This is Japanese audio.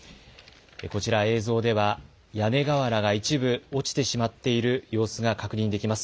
こちら、映像では、屋根瓦が一部落ちてしまっている様子が確認できます。